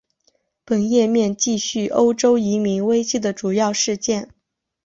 本页面记叙欧洲移民危机的主要事件。